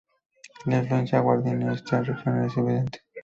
La influencia guaraní en esta región es evidente.